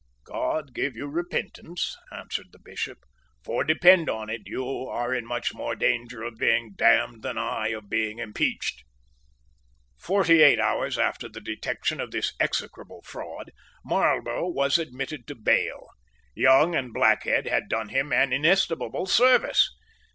"God give you repentance," answered the Bishop. "For, depend upon it, you are in much more danger of being damned than I of being impeached." Forty eight hours after the detection of this execrable fraud, Marlborough was admitted to bail. Young and Blackhead had done him an inestimable service.